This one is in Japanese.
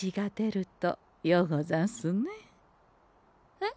えっ？